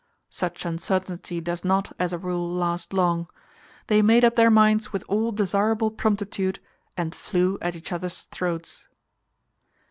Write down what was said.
Such uncertainty does not, as a rule, last long. They made up their minds with all desirable promptitude and flew at each other's throats.